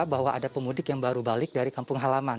bahwa ada pemudik yang baru balik dari kampung halaman